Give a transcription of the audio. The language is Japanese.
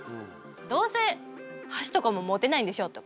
どうせ箸とかも持てないんでしょとか。